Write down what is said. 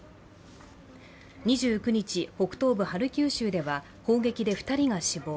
２９日、北東部ハルキウ州では砲撃で２人が死亡。